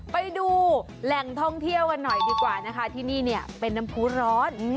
ไปดูแหล่งท่องเที่ยวกันหน่อยดีกว่านะคะที่นี่เนี่ยเป็นน้ำผู้ร้อน